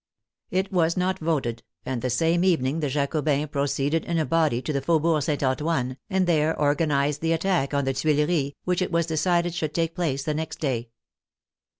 It was not voted, and 38 THE FRENCH REVOLUTION the same evening the Jacobins proceeded in a body to the Faubourg St. Antoine, and there organized the attack on the Tuileries, which it was decided should take place the next day.